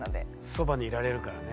そばにいられるからね。